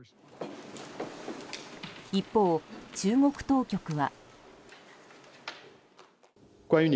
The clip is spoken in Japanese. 一方、中国当局は。